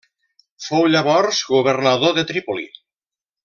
Fou llavors governador de Trípoli.